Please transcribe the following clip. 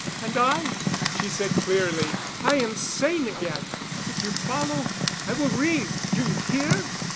"And I," she said clearly, "I am sane again. If you follow—I will ring. Do you hear?"